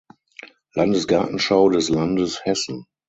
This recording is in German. Landesgartenschau des Landes Hessen.